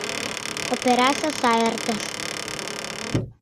Операций сай эртыш.